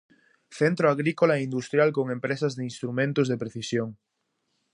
Centro agrícola e industrial con empresas de instrumentos de precisión.